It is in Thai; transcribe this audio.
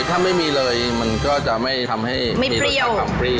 ถ้าไม่มีเลยมันก็จะไม่ทำให้มีรสชาติขับฟรี